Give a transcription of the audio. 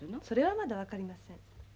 それはまだ分かりません。